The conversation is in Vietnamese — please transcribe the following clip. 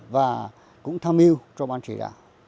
và cũng tham mưu cho ban chỉ đạo